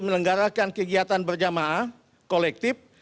melenggarakan kegiatan berjamaah kolektif